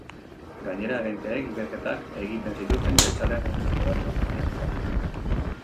Gainera, agenteek ikerketak egiten zituzten, jeltzaleak emandako datuak oinarri hartuta.